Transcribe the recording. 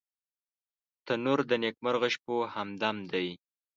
تنور د نیکمرغه شپو همدم دی